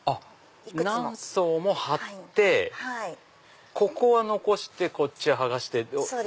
何層も貼ってここは残してこっち剥がして。